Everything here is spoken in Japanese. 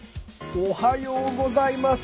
おはようございます。